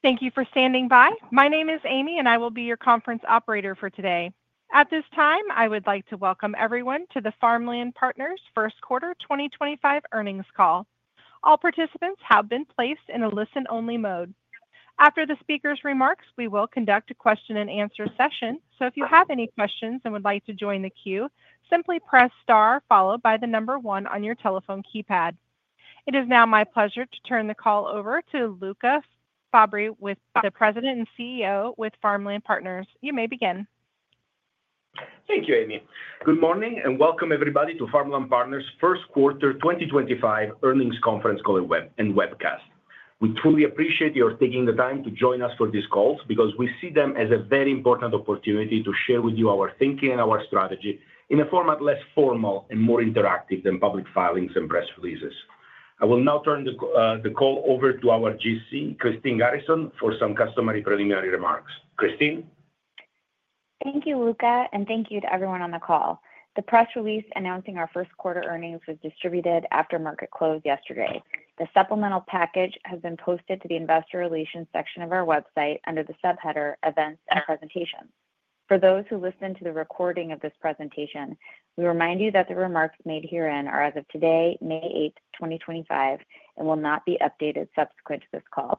Thank you for standing by. My name is Amy, and I will be your conference operator for today. At this time, I would like to welcome everyone to the Farmland Partners first quarter 2025 earnings call. All participants have been placed in a listen-only mode. After the speaker's remarks, we will conduct a question-and-answer session, so if you have any questions and would like to join the queue, simply press star followed by the number one on your telephone keypad. It is now my pleasure to turn the call over to Luca Fabbri, the President and CEO with Farmland Partners. You may begin. Thank you, Amy. Good morning and welcome, everybody, to Farmland Partners first quarter 2025 earnings conference call and webcast. We truly appreciate your taking the time to join us for these calls because we see them as a very important opportunity to share with you our thinking and our strategy in a format less formal and more interactive than public filings and press releases. I will now turn the call over to our GC, Christine Garrison, for some customary preliminary remarks. Christine. Thank you, Luca, and thank you to everyone on the call. The press release announcing our first quarter earnings was distributed after market close yesterday. The supplemental package has been posted to the investor relations section of our website under the subheader Events and Presentations. For those who listen to the recording of this presentation, we remind you that the remarks made herein are as of today, May 8th, 2025, and will not be updated subsequent to this call.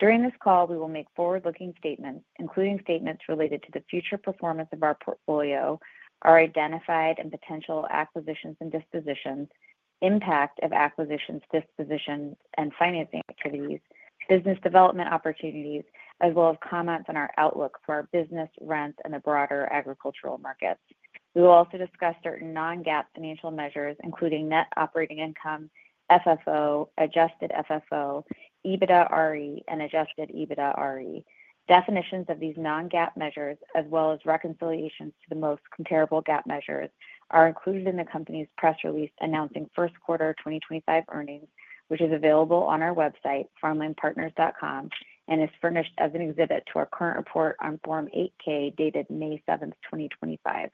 During this call, we will make forward-looking statements, including statements related to the future performance of our portfolio, our identified and potential acquisitions and dispositions, impact of acquisitions, dispositions, and financing activities, business development opportunities, as well as comments on our outlook for our business, rents, and the broader agricultural markets. We will also discuss certain non-GAAP financial measures, including net operating income, FFO, adjusted FFO, EBITDA RE, and adjusted EBITDA RE. Definitions of these non-GAAP measures, as well as reconciliations to the most comparable GAAP measures, are included in the company's press release announcing first quarter 2025 earnings, which is available on our website, farmlandpartners.com, and is furnished as an exhibit to our current report on Form 8-K dated May 7th, 2025.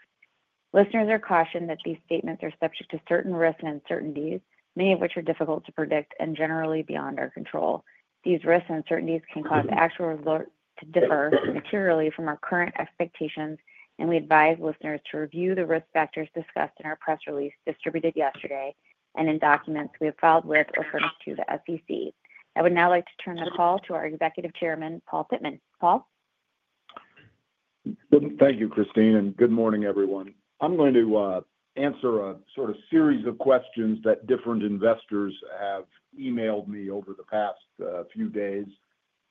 Listeners are cautioned that these statements are subject to certain risks and uncertainties, many of which are difficult to predict and generally beyond our control. These risks and uncertainties can cause actual results to differ materially from our current expectations, and we advise listeners to review the risk factors discussed in our press release distributed yesterday and in documents we have filed with or sent to the SEC. I would now like to turn the call to our Executive Chairman, Paul Pittman. Paul. Thank you, Christine, and good morning, everyone. I'm going to answer a sort of series of questions that different investors have emailed me over the past few days,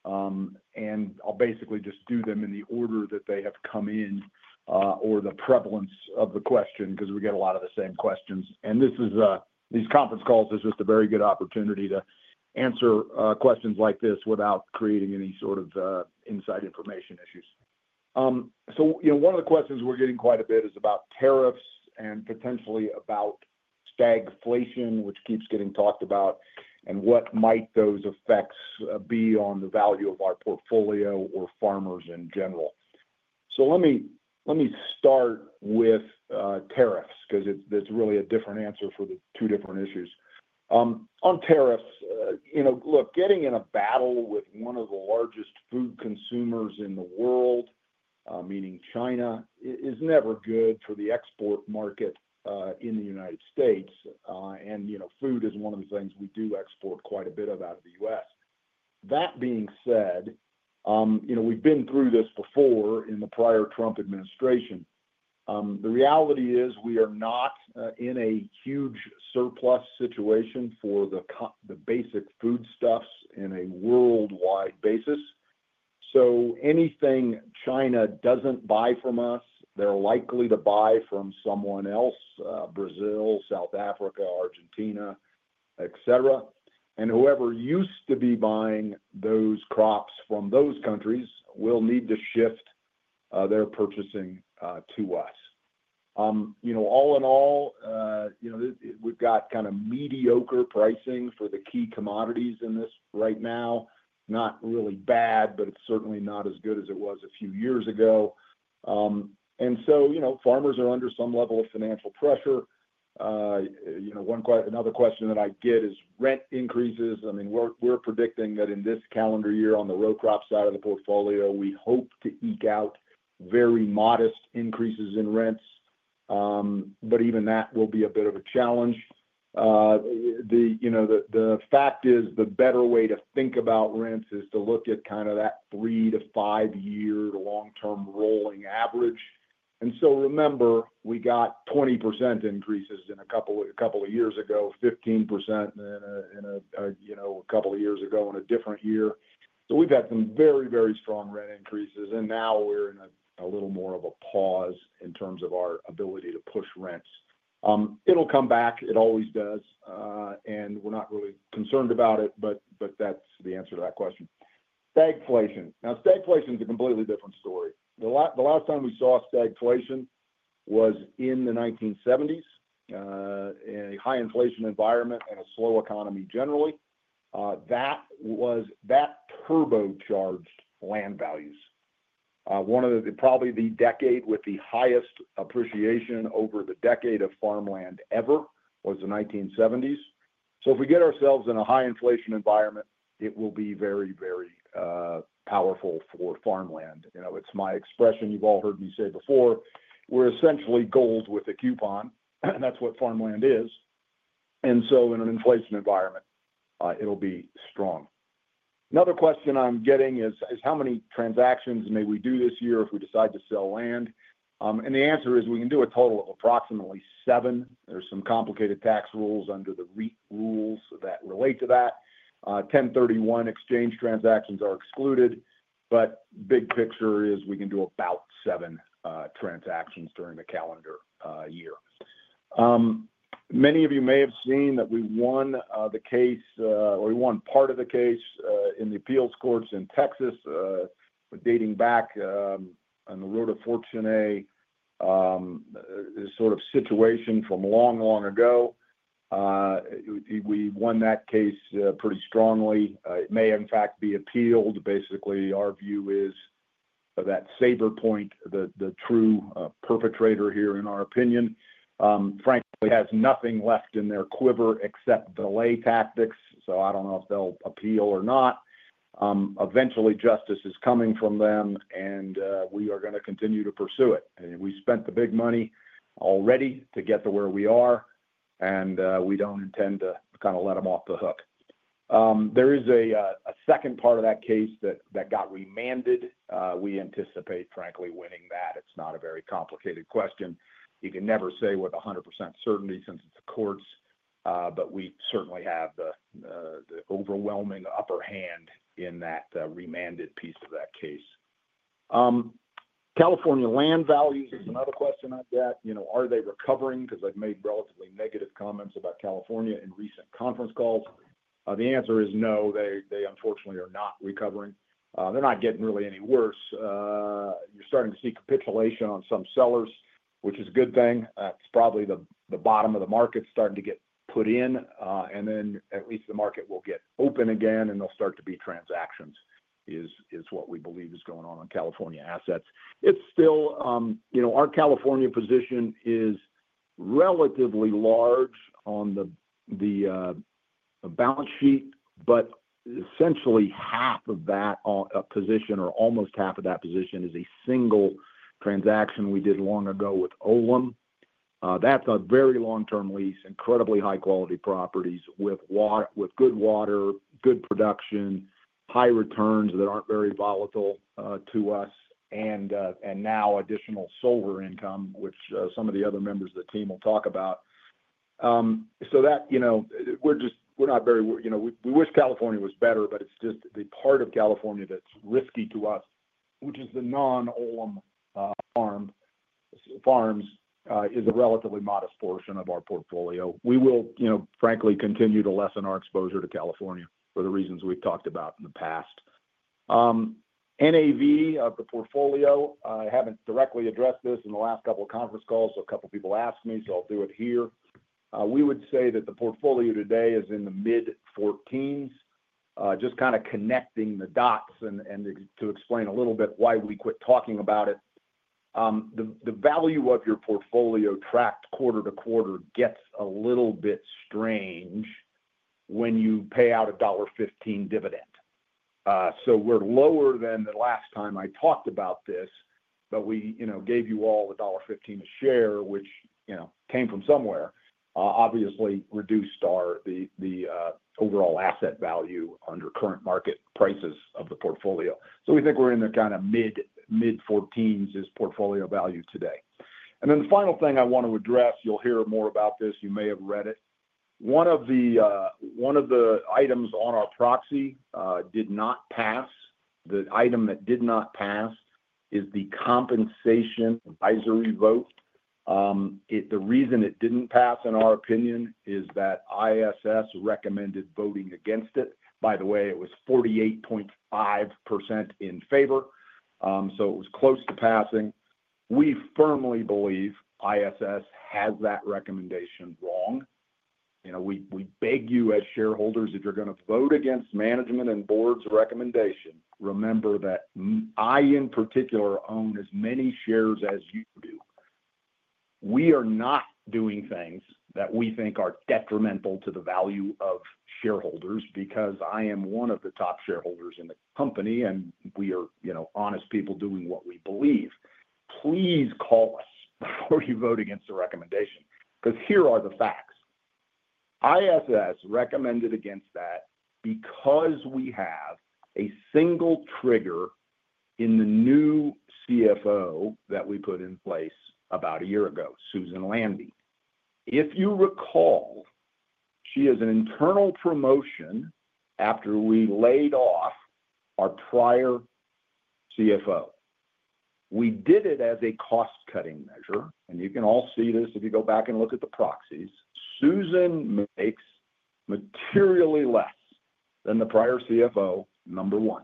and I'll basically just do them in the order that they have come in or the prevalence of the question because we get a lot of the same questions. These conference calls are just a very good opportunity to answer questions like this without creating any sort of inside information issues. One of the questions we're getting quite a bit is about tariffs and potentially about stagflation, which keeps getting talked about, and what might those effects be on the value of our portfolio or farmers in general. Let me start with tariffs because it's really a different answer for the two different issues. On tariffs, look, getting in a battle with one of the largest food consumers in the world, meaning China, is never good for the export market in the United States, and food is one of the things we do export quite a bit of out of the U.S. That being said, we've been through this before in the prior Trump administration. The reality is we are not in a huge surplus situation for the basic foodstuffs in a worldwide basis. Anything China does not buy from us, they are likely to buy from someone else: Brazil, South Africa, Argentina, etc. Whoever used to be buying those crops from those countries will need to shift their purchasing to us. All in all, we've got kind of mediocre pricing for the key commodities in this right now. Not really bad, but it's certainly not as good as it was a few years ago. Farmers are under some level of financial pressure. Another question that I get is rent increases. I mean, we're predicting that in this calendar year on the row crop side of the portfolio, we hope to eke out very modest increases in rents, but even that will be a bit of a challenge. The fact is the better way to think about rents is to look at kind of that three- to five-year long-term rolling average. Remember, we got 20% increases a couple of years ago, 15% a couple of years ago in a different year. We have had some very, very strong rent increases, and now we're in a little more of a pause in terms of our ability to push rents. It'll come back. It always does. We're not really concerned about it, but that's the answer to that question. Stagflation. Now, stagflation is a completely different story. The last time we saw stagflation was in the 1970s in a high inflation environment and a slow economy generally. That turbocharged land values. Probably the decade with the highest appreciation over the decade of farmland ever was the 1970s. If we get ourselves in a high inflation environment, it will be very, very powerful for farmland. It's my expression. You've all heard me say before, we're essentially gold with a coupon. That's what farmland is. In an inflation environment, it'll be strong. Another question I'm getting is, how many transactions may we do this year if we decide to sell land? The answer is we can do a total of approximately seven. There's some complicated tax rules under the REIT rules that relate to that. 1031 exchange transactions are excluded, but big picture is we can do about seven transactions during the calendar year. Many of you may have seen that we won the case or we won part of the case in the appeals courts in Texas dating back on the road of fortune sort of situation from long, long ago. We won that case pretty strongly. It may, in fact, be appealed. Basically, our view is that Sabre Point, the true perpetrator here in our opinion, frankly, has nothing left in their quiver except delay tactics. I don't know if they'll appeal or not. Eventually, justice is coming from them, and we are going to continue to pursue it. We spent the big money already to get to where we are, and we don't intend to kind of let them off the hook. There is a second part of that case that got remanded. We anticipate, frankly, winning that. It's not a very complicated question. You can never say with 100% certainty since it's a courts, but we certainly have the overwhelming upper hand in that remanded piece of that case. California land values is another question I get. Are they recovering? Because I've made relatively negative comments about California in recent conference calls. The answer is no. They unfortunately are not recovering. They're not getting really any worse. You're starting to see capitulation on some sellers, which is a good thing. It's probably the bottom of the market starting to get put in. At least the market will get open again, and they'll start to be transactions is what we believe is going on in California assets. It's still our California position is relatively large on the balance sheet, but essentially half of that position or almost half of that position is a single transaction we did long ago with Olam. That's a very long-term lease, incredibly high-quality properties with good water, good production, high returns that aren't very volatile to us, and now additional solar income, which some of the other members of the team will talk about. We're not very—we wish California was better, but it's just the part of California that's risky to us, which is the non-Olam farms, is a relatively modest portion of our portfolio. We will, frankly, continue to lessen our exposure to California for the reasons we've talked about in the past. NAV of the portfolio, I haven't directly addressed this in the last couple of conference calls. A couple of people asked me, so I'll do it here. We would say that the portfolio today is in the mid-14s. Just kind of connecting the dots and to explain a little bit why we quit talking about it. The value of your portfolio tracked quarter to quarter gets a little bit strange when you pay out a $15 dividend. We are lower than the last time I talked about this, but we gave you all a $15 a share, which came from somewhere, obviously reduced the overall asset value under current market prices of the portfolio. We think we are in the kind of mid-14s is portfolio value today. The final thing I want to address, you'll hear more about this. You may have read it. One of the items on our proxy did not pass. The item that did not pass is the compensation advisory vote. The reason it did not pass, in our opinion, is that ISS recommended voting against it. By the way, it was 48.5% in favor. It was close to passing. We firmly believe ISS has that recommendation wrong. We beg you as shareholders, if you're going to vote against management and board's recommendation, remember that I, in particular, own as many shares as you do. We are not doing things that we think are detrimental to the value of shareholders because I am one of the top shareholders in the company, and we are honest people doing what we believe. Please call us before you vote against the recommendation because here are the facts. ISS recommended against that because we have a single trigger in the new CFO that we put in place about a year ago, Susan Landy. If you recall, she has an internal promotion after we laid off our prior CFO. We did it as a cost-cutting measure, and you can all see this if you go back and look at the proxies. Susan makes materially less than the prior CFO, number one.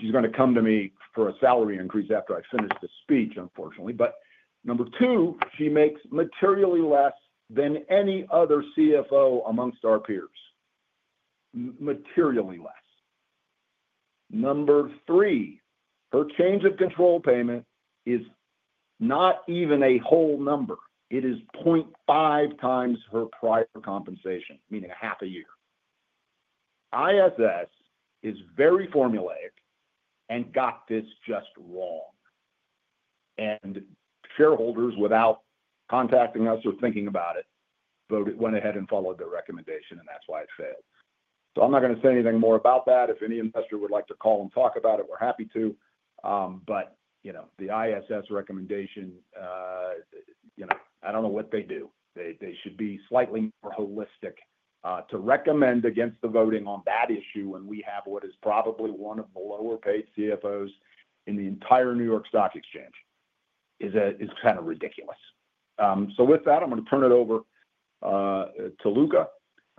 She's going to come to me for a salary increase after I finish the speech, unfortunately. Number two, she makes materially less than any other CFO amongst our peers. Materially less. Number three, her change of control payment is not even a whole number. It is 0.5 times her prior compensation, meaning a half a year. ISS is very formulaic and got this just wrong. Shareholders, without contacting us or thinking about it, went ahead and followed their recommendation, and that's why it failed. I'm not going to say anything more about that. If any investor would like to call and talk about it, we're happy to. The ISS recommendation, I don't know what they do. They should be slightly more holistic to recommend against the voting on that issue when we have what is probably one of the lower-paid CFOs in the entire New York Stock Exchange. It's kind of ridiculous. With that, I'm going to turn it over to Luca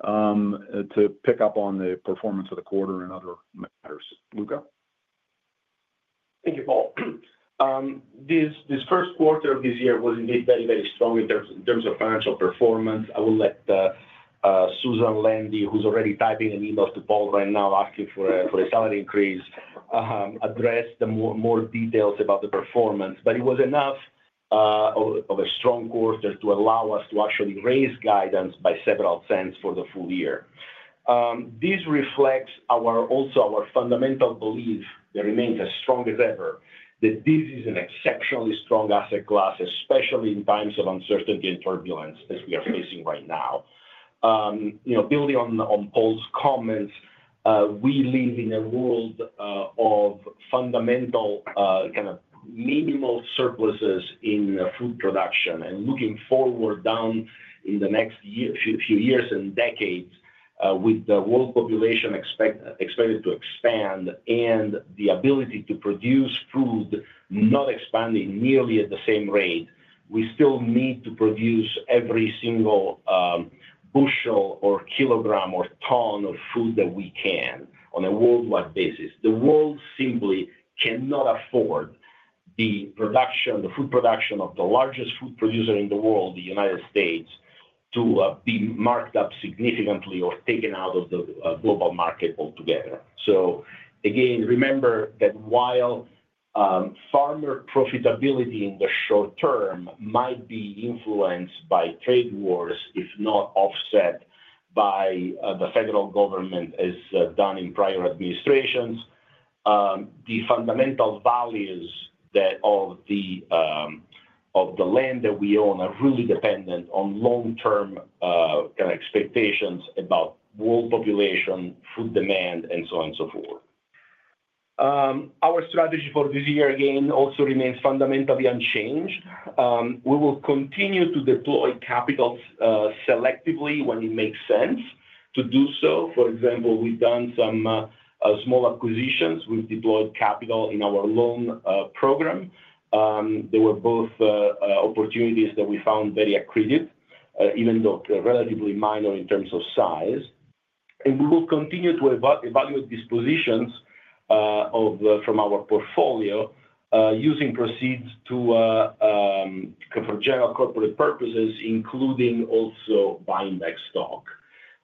to pick up on the performance of the quarter and other matters. Luca? Thank you, Paul. This first quarter of this year was indeed very, very strong in terms of financial performance. I will let Susan Landy, who's already typing an email to Paul right now asking for a salary increase, address the more details about the performance. It was enough of a strong quarter to allow us to actually raise guidance by several cents for the full year. This reflects also our fundamental belief that remains as strong as ever, that this is an exceptionally strong asset class, especially in times of uncertainty and turbulence as we are facing right now. Building on Paul's comments, we live in a world of fundamental kind of minimal surpluses in food production and looking forward down in the next few years and decades with the world population expected to expand and the ability to produce food not expanding nearly at the same rate. We still need to produce every single bushel or kilogram or ton of food that we can on a worldwide basis. The world simply cannot afford the food production of the largest food producer in the world, the United States, to be marked up significantly or taken out of the global market altogether. Again, remember that while farmer profitability in the short term might be influenced by trade wars, if not offset by the federal government as done in prior administrations, the fundamental values of the land that we own are really dependent on long-term kind of expectations about world population, food demand, and so on and so forth. Our strategy for this year, again, also remains fundamentally unchanged. We will continue to deploy capital selectively when it makes sense to do so. For example, we've done some small acquisitions. We've deployed capital in our loan program. There were both opportunities that we found very accredited, even though relatively minor in terms of size. We will continue to evaluate these positions from our portfolio using proceeds for general corporate purposes, including also buying back stock.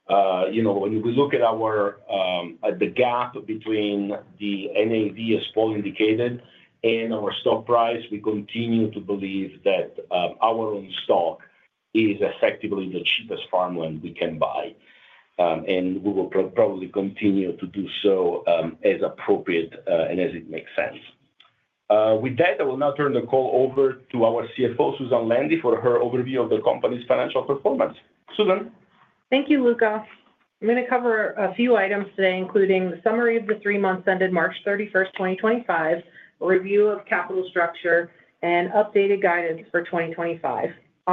When we look at the gap between the NAV, as Paul indicated, and our stock price, we continue to believe that our own stock is effectively the cheapest farmland we can buy. We will probably continue to do so as appropriate and as it makes sense. With that, I will now turn the call over to our CFO, Susan Landy, for her overview of the company's financial performance. Susan. Thank you, Luca. I'm going to cover a few items today, including the summary of the three months ended March 31, 2025, a review of capital structure, and updated guidance for 2025. I'll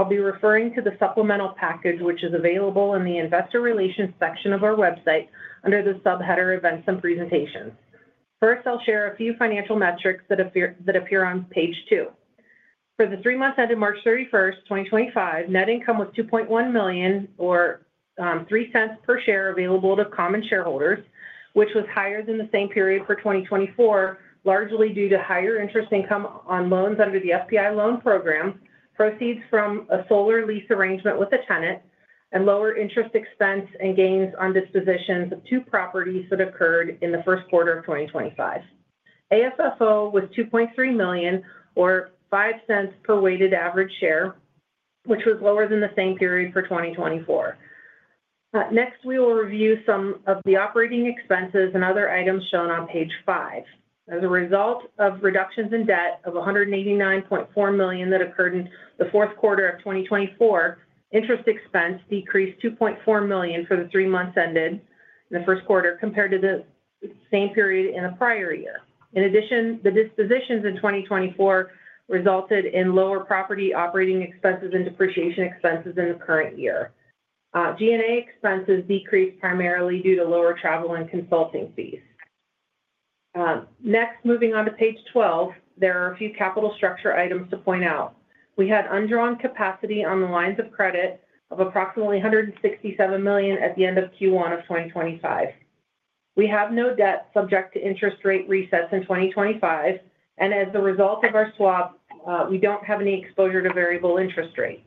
be referring to the supplemental package, which is available in the investor relations section of our website under the subheader events and presentations. First, I'll share a few financial metrics that appear on page two. For the three months ended March 31, 2025, net income was $2.1 million or $0.03 per share available to common shareholders, which was higher than the same period for 2024, largely due to higher interest income on loans under the FPI Loan Program, proceeds from a solar lease arrangement with a tenant, and lower interest expense and gains on dispositions of two properties that occurred in the first quarter of 2025. AFFO was $2.3 million or $0.05 per weighted average share, which was lower than the same period for 2024. Next, we will review some of the operating expenses and other items shown on page five. As a result of reductions in debt of $189.4 million that occurred in the fourth quarter of 2024, interest expense decreased $2.4 million for the three months ended in the first quarter compared to the same period in the prior year. In addition, the dispositions in 2024 resulted in lower property operating expenses and depreciation expenses in the current year. G&A expenses decreased primarily due to lower travel and consulting fees. Next, moving on to page 12, there are a few capital structure items to point out. We had undrawn capacity on the lines of credit of approximately $167 million at the end of Q1 of 2025. We have no debt subject to interest rate resets in 2025, and as a result of our swap, we do not have any exposure to variable interest rates.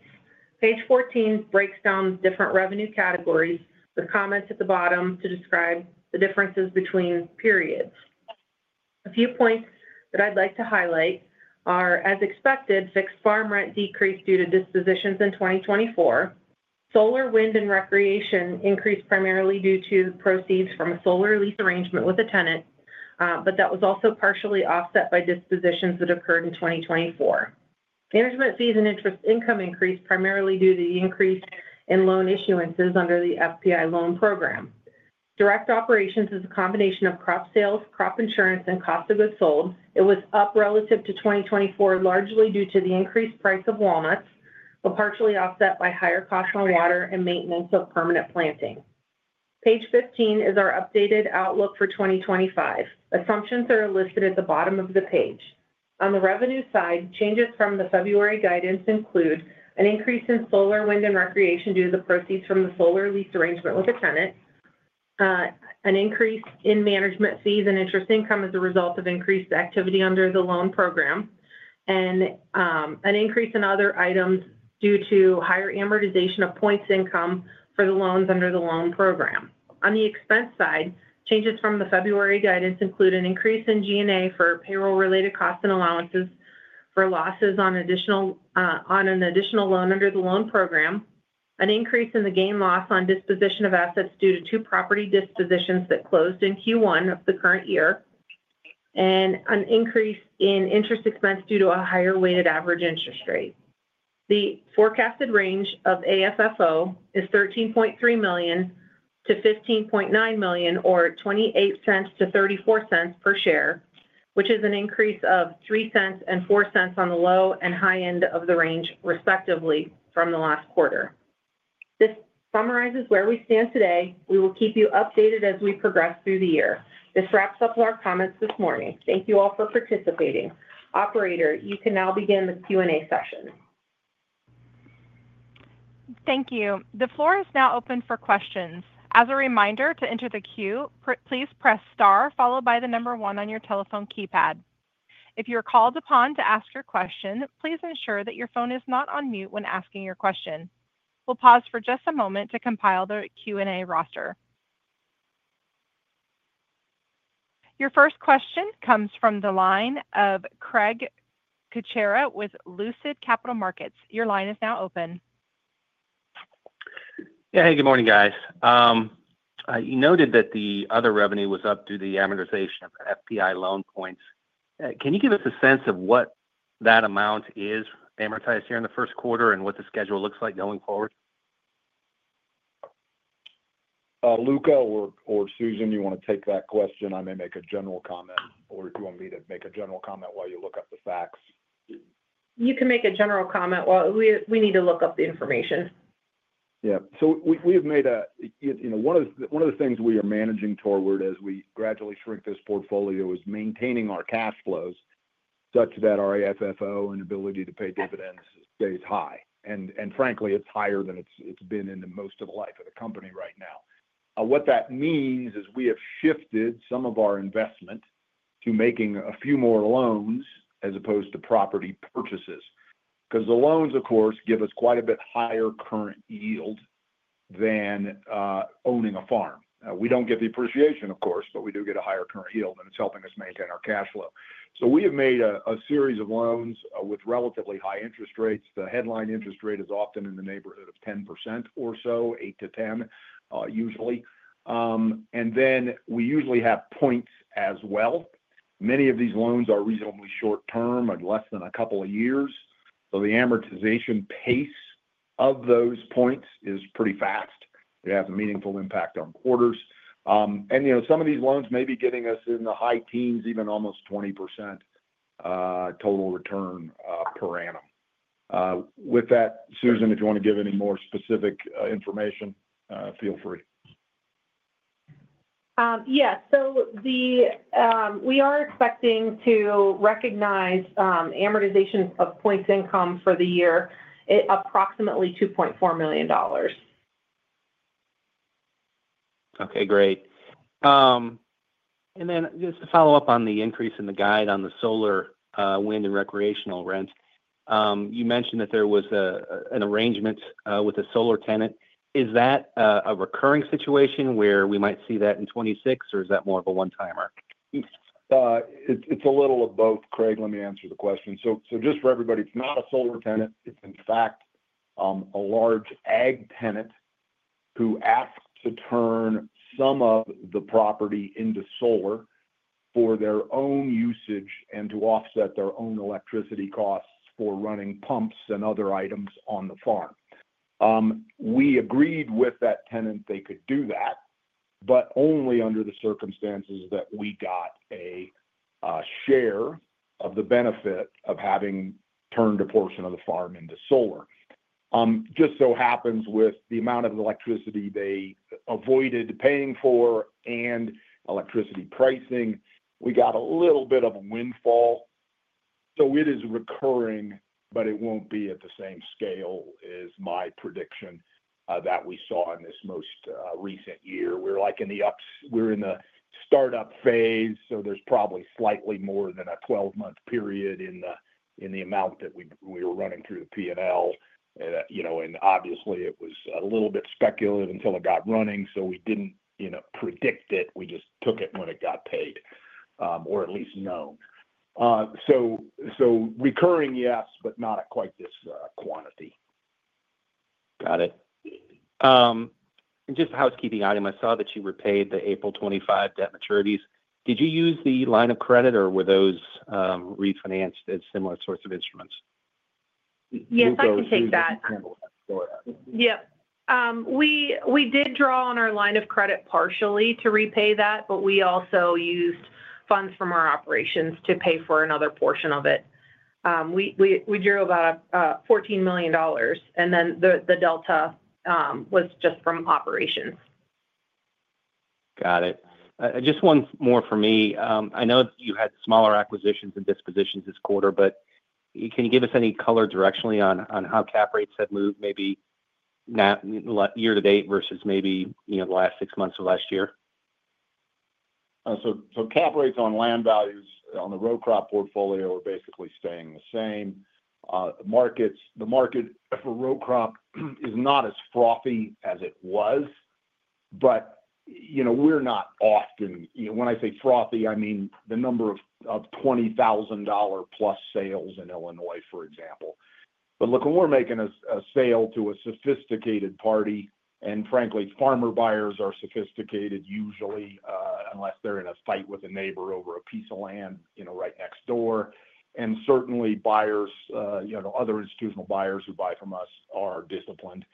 Page 14 breaks down different revenue categories with comments at the bottom to describe the differences between periods. A few points that I would like to highlight are, as expected, fixed farm rent decreased due to dispositions in 2024. Solar, wind, and recreation increased primarily due to proceeds from a solar lease arrangement with a tenant, but that was also partially offset by dispositions that occurred in 2024. Management fees and interest income increased primarily due to the increase in loan issuances under the FPI loan program. Direct operations is a combination of crop sales, crop insurance, and cost of goods sold. It was up relative to 2024, largely due to the increased price of walnuts, but partially offset by higher costs on water and maintenance of permanent planting. Page 15 is our updated outlook for 2025. Assumptions are listed at the bottom of the page. On the revenue side, changes from the February guidance include an increase in solar, wind, and recreation due to the proceeds from the solar lease arrangement with a tenant, an increase in management fees and interest income as a result of increased activity under the loan program, and an increase in other items due to higher amortization of points income for the loans under the loan program. On the expense side, changes from the February guidance include an increase in G&A for payroll-related costs and allowances for losses on an additional loan under the loan program, an increase in the gain-loss on disposition of assets due to two property dispositions that closed in Q1 of the current year, and an increase in interest expense due to a higher weighted average interest rate. The forecasted range of AFFO is $13.3 million-$15.9 million or $0.28-$0.34 per share, which is an increase of $0.03 and $0.04 on the low and high end of the range, respectively, from the last quarter. This summarizes where we stand today. We will keep you updated as we progress through the year. This wraps up our comments this morning. Thank you all for participating. Operator, you can now begin the Q&A session. Thank you. The floor is now open for questions. As a reminder, to enter the queue, please press star followed by the number one on your telephone keypad. If you are called upon to ask your question, please ensure that your phone is not on mute when asking your question. We'll pause for just a moment to compile the Q&A roster. Your first question comes from the line of Craig Kucera with Lucid Capital Markets. Your line is now open. Yeah. Hey, good morning, guys. You noted that the other revenue was up due to the amortization of FPI loan points. Can you give us a sense of what that amount is amortized here in the first quarter and what the schedule looks like going forward? Luca or Susan, you want to take that question? I may make a general comment, or if you want me to make a general comment while you look up the facts. You can make a general comment. We need to look up the information. Yeah. We have made a—one of the things we are managing toward as we gradually shrink this portfolio is maintaining our cash flows such that our AFFO and ability to pay dividends stays high. Frankly, it is higher than it has been in most of the life of the company right now. What that means is we have shifted some of our investment to making a few more loans as opposed to property purchases because the loans, of course, give us quite a bit higher current yield than owning a farm. We do not get the appreciation, of course, but we do get a higher current yield, and it is helping us maintain our cash flow. We have made a series of loans with relatively high interest rates. The headline interest rate is often in the neighborhood of 10% or so, 8-10% usually. We usually have points as well. Many of these loans are reasonably short-term, less than a couple of years. The amortization pace of those points is pretty fast. It has a meaningful impact on quarters. Some of these loans may be getting us in the high teens, even almost 20% total return per annum. With that, Susan, if you want to give any more specific information, feel free. Yes. We are expecting to recognize amortization of points income for the year, approximately $2.4 million. Okay. Great. Just to follow up on the increase in the guide on the solar, wind, and recreational rent, you mentioned that there was an arrangement with a solar tenant. Is that a recurring situation where we might see that in 2026, or is that more of a one-timer? It's a little of both, Craig. Let me answer the question. Just for everybody, it's not a solar tenant. It's, in fact, a large ag tenant who asked to turn some of the property into solar for their own usage and to offset their own electricity costs for running pumps and other items on the farm. We agreed with that tenant they could do that, but only under the circumstances that we got a share of the benefit of having turned a portion of the farm into solar. It just so happens with the amount of electricity they avoided paying for and electricity pricing, we got a little bit of a windfall. It is recurring, but it won't be at the same scale as my prediction that we saw in this most recent year. We're in the startup phase, so there's probably slightly more than a 12-month period in the amount that we were running through the P&L. Obviously, it was a little bit speculative until it got running, so we didn't predict it. We just took it when it got paid, or at least known. Recurring, yes, but not at quite this quantity. Got it. Just a housekeeping item, I saw that you repaid the April 2025 debt maturities. Did you use the line of credit, or were those refinanced as similar sorts of instruments? Yes, I can take that. Yep. We did draw on our line of credit partially to repay that, but we also used funds from our operations to pay for another portion of it. We drew about $14 million, and then the delta was just from operations. Got it. Just one more for me. I know you had smaller acquisitions and dispositions this quarter, but can you give us any color directionally on how cap rates have moved, maybe year to date versus maybe the last six months of last year? Cap rates on land values on the row crop portfolio are basically staying the same. The market for row crop is not as frothy as it was, but we're not often—when I say frothy, I mean the number of $20,000-plus sales in Illinois, for example. Look, when we're making a sale to a sophisticated party, and frankly, farmer buyers are sophisticated usually, unless they're in a fight with a neighbor over a piece of land right next door. Certainly, buyers, other institutional buyers who buy from us, are disciplined.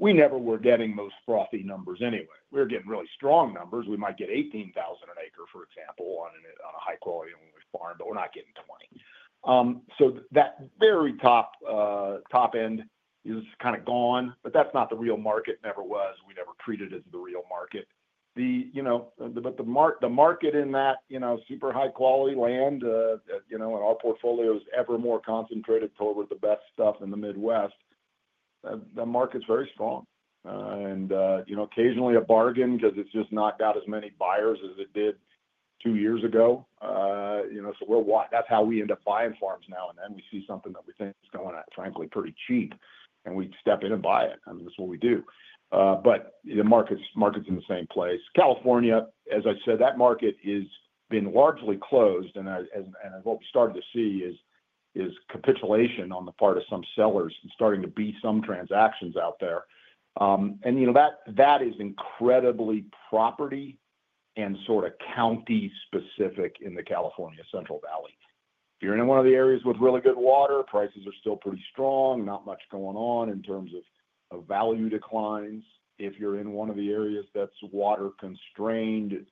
We never were getting most frothy numbers anyway. We were getting really strong numbers. We might get $18,000 an acre, for example, on a high-quality only farm, but we're not getting $20,000. That very top end is kind of gone, but that's not the real market. Never was. We never treated it as the real market. The market in that super high-quality land, and our portfolio is ever more concentrated toward the best stuff in the Midwest, the market's very strong. Occasionally, a bargain because it's just knocked out as many buyers as it did two years ago. That's how we end up buying farms now and then. We see something that we think is going at, frankly, pretty cheap, and we step in and buy it. I mean, that's what we do. The market's in the same place. California, as I said, that market has been largely closed, and what we started to see is capitulation on the part of some sellers and starting to be some transactions out there. That is incredibly property and sort of county-specific in the California Central Valley. If you're in one of the areas with really good water, prices are still pretty strong, not much going on in terms of value declines. If you're in one of the areas that's water-constrained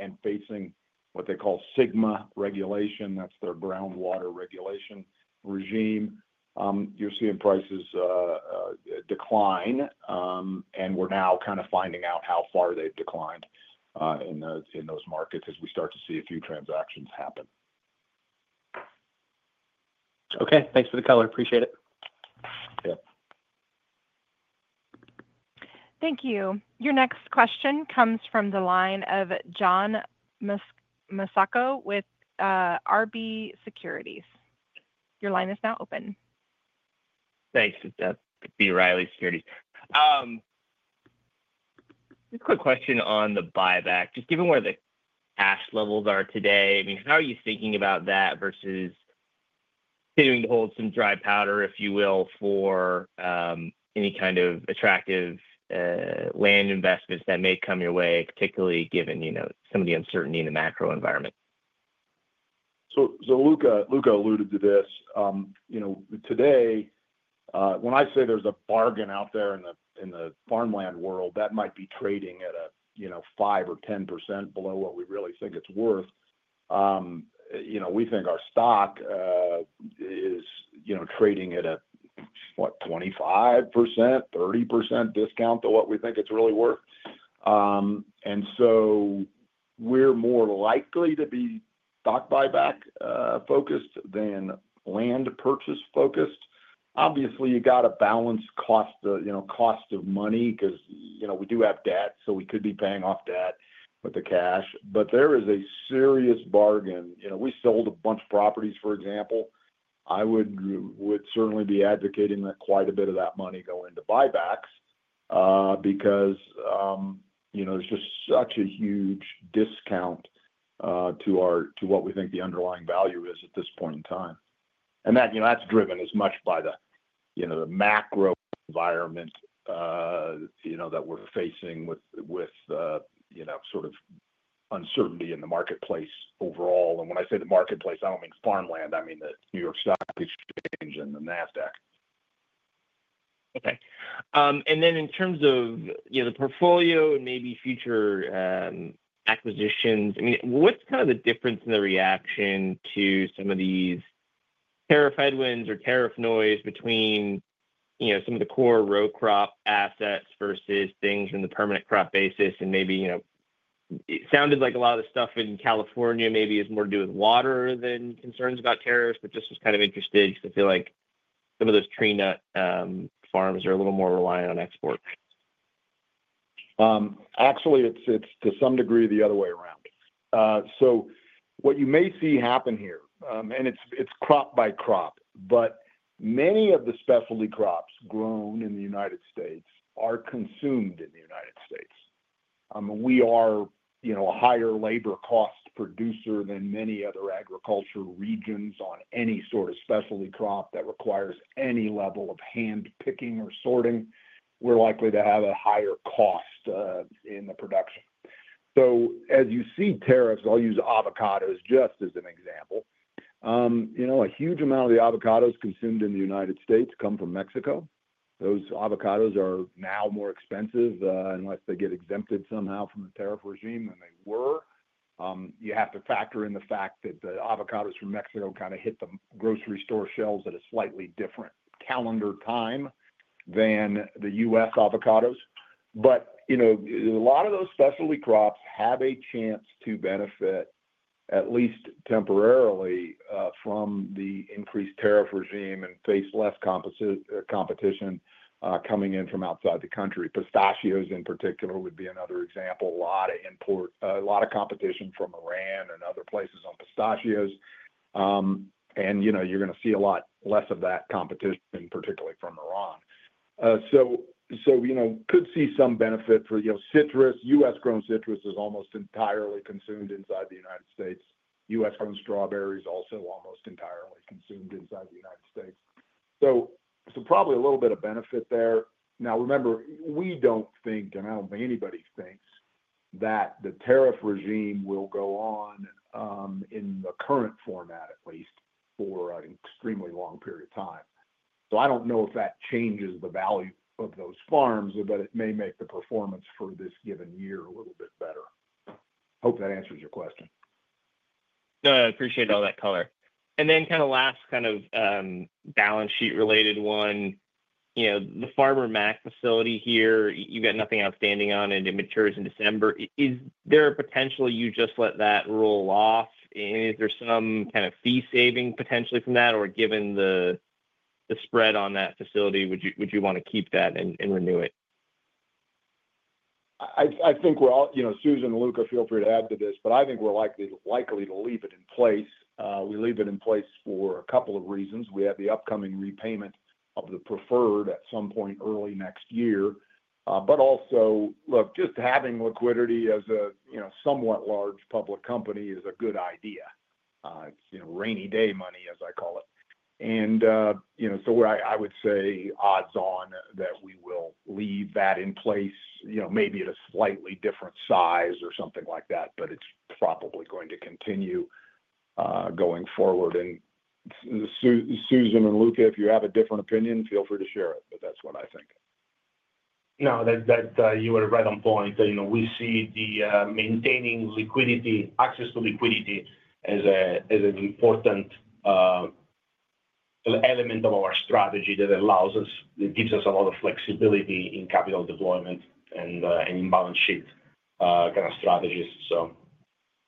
and facing what they call SGMA regulation, that's their groundwater regulation regime, you're seeing prices decline, and we're now kind of finding out how far they've declined in those markets as we start to see a few transactions happen. Okay. Thanks for the color. Appreciate it. Yep. Thank you. Your next question comes from the line of John Massocca with B. Riley Securities. Your line is now open. Thanks. That's B. Riley Securities. Just a quick question on the buyback. Just given where the cash levels are today, I mean, how are you thinking about that versus continuing to hold some dry powder, if you will, for any kind of attractive land investments that may come your way, particularly given some of the uncertainty in the macro environment? Luca alluded to this. Today, when I say there's a bargain out there in the farmland world that might be trading at a 5% or 10% below what we really think it's worth, we think our stock is trading at a, what, 25%, 30% discount to what we think it's really worth. We're more likely to be stock buyback-focused than land purchase-focused. Obviously, you got to balance cost of money because we do have debt, so we could be paying off debt with the cash. There is a serious bargain. We sold a bunch of properties, for example. I would certainly be advocating that quite a bit of that money go into buybacks because there's just such a huge discount to what we think the underlying value is at this point in time. That is driven as much by the macro environment that we are facing with sort of uncertainty in the marketplace overall. When I say the marketplace, I do not mean farmland. I mean the New York Stock Exchange and the NASDAQ. Okay. In terms of the portfolio and maybe future acquisitions, I mean, what's kind of the difference in the reaction to some of these tariff headwinds or tariff noise between some of the core row crop assets versus things in the permanent crop basis? It sounded like a lot of the stuff in California maybe is more to do with water than concerns about tariffs, but just was kind of interested because I feel like some of those tree nut farms are a little more reliant on export. Actually, it's to some degree the other way around. What you may see happen here, and it's crop by crop, but many of the specialty crops grown in the United States are consumed in the United States. We are a higher labor-cost producer than many other agriculture regions on any sort of specialty crop that requires any level of handpicking or sorting. We're likely to have a higher cost in the production. As you see tariffs, I'll use avocados just as an example. A huge amount of the avocados consumed in the United States come from Mexico. Those avocados are now more expensive unless they get exempted somehow from the tariff regime than they were. You have to factor in the fact that the avocados from Mexico kind of hit the grocery store shelves at a slightly different calendar time than the U.S. avocados. A lot of those specialty crops have a chance to benefit, at least temporarily, from the increased tariff regime and face less competition coming in from outside the country. Pistachios, in particular, would be another example. A lot of import, a lot of competition from Iran and other places on pistachios. You're going to see a lot less of that competition, particularly from Iran. Could see some benefit for citrus. U.S.-grown citrus is almost entirely consumed inside the United States. U.S.-grown strawberries also almost entirely consumed inside the United States. Probably a little bit of benefit there. Now, remember, we don't think, and I don't think anybody thinks, that the tariff regime will go on in the current format, at least, for an extremely long period of time. I don't know if that changes the value of those farms, but it may make the performance for this given year a little bit better. Hope that answers your question. No, I appreciate all that color. Then kind of last kind of balance sheet-related one, the Farmer Mac facility here, you've got nothing outstanding on it. It matures in December. Is there a potential you just let that roll off? Is there some kind of fee saving potentially from that? Or given the spread on that facility, would you want to keep that and renew it? I think we're all—Susan and Luca, feel free to add to this—but I think we're likely to leave it in place. We leave it in place for a couple of reasons. We have the upcoming repayment of the preferred at some point early next year. Also, look, just having liquidity as a somewhat large public company is a good idea. It's rainy day money, as I call it. I would say odds on that we will leave that in place, maybe at a slightly different size or something like that, but it's probably going to continue going forward. Susan and Luca, if you have a different opinion, feel free to share it, but that's what I think. No, you were right on point. We see the maintaining access to liquidity as an important element of our strategy that allows us—it gives us a lot of flexibility in capital deployment and in balance sheet kind of strategies.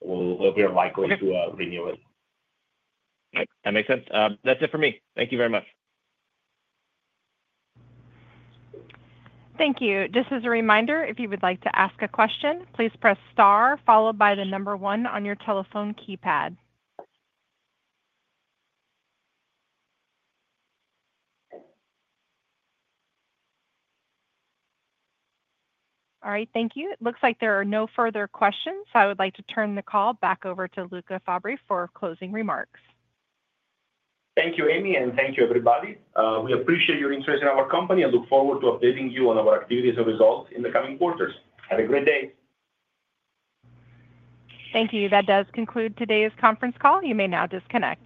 We are likely to renew it. Okay. That makes sense. That's it for me. Thank you very much. Thank you. Just as a reminder, if you would like to ask a question, please press star followed by the number one on your telephone keypad. All right. Thank you. It looks like there are no further questions, so I would like to turn the call back over to Luca Fabbri for closing remarks. Thank you, Amy, and thank you, everybody. We appreciate your interest in our company and look forward to updating you on our activities and results in the coming quarters. Have a great day. Thank you. That does conclude today's conference call. You may now disconnect.